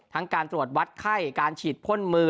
การตรวจวัดไข้การฉีดพ่นมือ